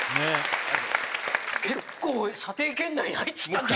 結構射程圏内に入ってきたんじゃない？